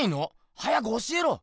早く教えろ！